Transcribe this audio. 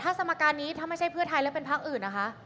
แต่สมการนี้ถ้าไม่ใช่เพื่อไทยจะเลือกเป็นภักดิ์อื่น